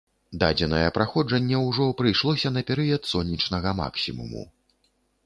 Дадзенае праходжанне ўжо прыйшлося на перыяд сонечнага максімуму.